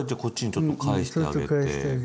ちょっと返してあげて。